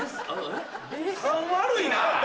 勘悪いな！